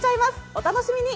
お楽しみに。